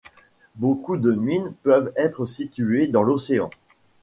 Beaucoup de mines peuvent être situées dans l'océan.